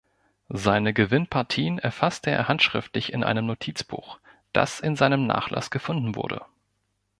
Seine Gewinnpartien erfasste er handschriftlich in einem Notizbuch, das in seinem Nachlass gefunden wurde.